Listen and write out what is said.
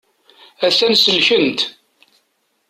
A-t-an selkent.